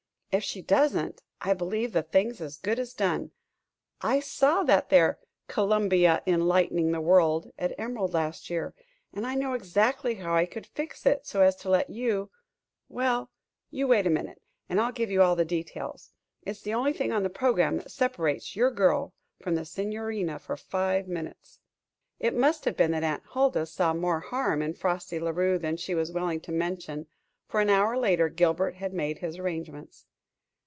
If she doesn't, I believe the thing's as good as done. I saw that there 'Columbia Enlightening the World' at Emerald last year, and I know exactly how I could fix it so as to let you well, you wait a minute, and I'll give you all the details. It's the only thing on the program that separates your girl from the Signorina for five minutes." It must have been that Aunt Huldah saw more harm in Frosty La Rue than she was willing to mention; for an hour later Gilbert had made his arrangements.